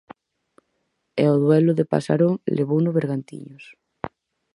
E o duelo de Pasarón levouno o Bergantiños.